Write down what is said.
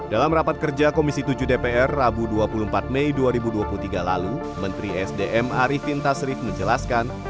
dalam rapat kerja komisi tujuh dpr rabu dua puluh empat mei dua ribu dua puluh tiga lalu menteri sdm arifin tasrif menjelaskan